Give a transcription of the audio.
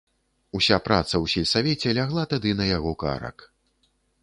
Уся праца ў сельсавеце лягла тады на яго карак.